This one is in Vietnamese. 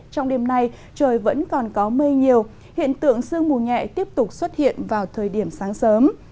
trong đêm nay trời vẫn còn có mây nhiều hiện tượng sương mù nhẹ tiếp tục xuất hiện vào thời điểm sáng sớm